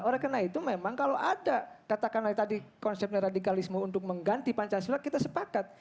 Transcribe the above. oleh karena itu memang kalau ada katakanlah tadi konsepnya radikalisme untuk mengganti pancasila kita sepakat